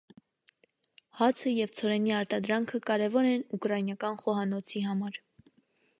Հացը և ցորենի արտադրանքը կարևոր են ուկրաինական խոհանոցի համար։